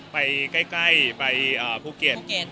ไปใกล้ไปภูเกียร์